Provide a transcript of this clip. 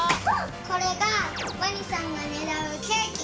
これがワニさんがねらうケーキ！